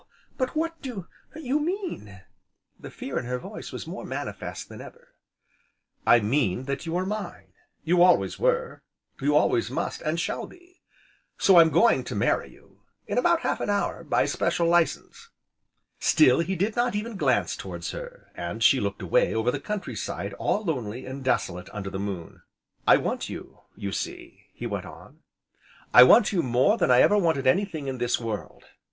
but what do you mean?" The fear in her voice was more manifest than ever. "I mean that you are mine, you always were, you always must and shall be. So, I'm going to marry you in about half an hour, by special license." Still he did not even glance towards her, and she looked away over the country side all lonely and desolate under the moon. "I want you, you see," he went on, "I want you more than I ever wanted anything in this world.